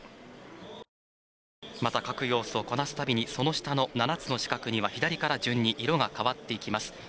また、各要素をこなすたびにその下の７つの四角には左から順に色が変わっていきます。